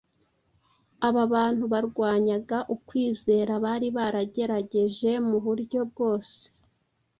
aba bantu barwanyaga ukwizera bari baragerageje mu buryo bwose